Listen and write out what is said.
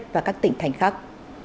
và các tỉnh khác